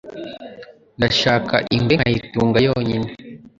Ndashaka ingwe nkayitunga yonyine